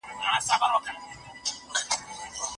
ځيني مفسرين وايي، چي تفسير او تعبير دې الله تعالی ته راجع سي.